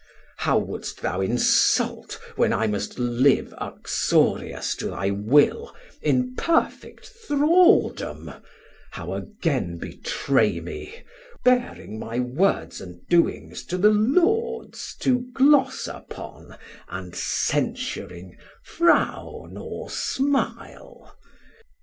How wouldst thou insult When I must live uxorious to thy will In perfet thraldom, how again betray me, Bearing my words and doings to the Lords To gloss upon, and censuring, frown or smile?